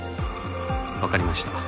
わかりました。